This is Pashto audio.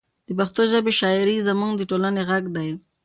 د پښتو ژبې شاعري زموږ د ټولنې غږ دی.